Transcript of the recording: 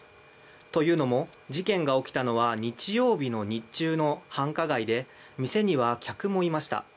というのも、事件が起きたのは日曜日の日中の繁華街で店には客もいました。